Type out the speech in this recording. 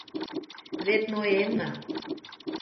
— Вет ноенна...